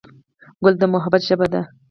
ګل د محبت ژبه ده.